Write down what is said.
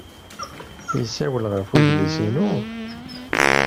Yessawel ɣef udlis-inu?